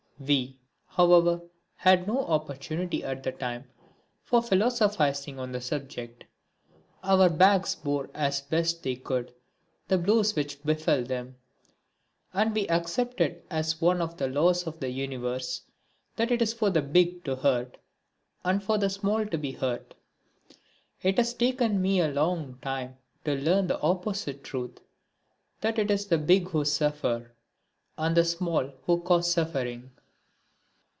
We, however, had no opportunity at the time for philosophising on the subject; our backs bore as best they could the blows which befell them: and we accepted as one of the laws of the universe that it is for the Big to hurt and for the Small to be hurt. It has taken me a long time to learn the opposite truth that it is the Big who suffer and the Small who cause suffering.